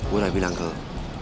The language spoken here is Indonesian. gue udah bilang ke lu